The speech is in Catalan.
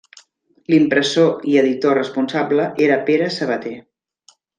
L'impressor i editor responsable era Pere Sabater.